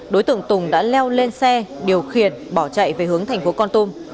đối tượng tùng đã leo lên xe điều khiển bỏ chạy về hướng thành phố con tum